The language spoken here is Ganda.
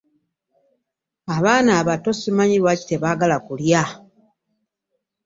Abaana abato simanyi lwaki baba tebaagala kulya.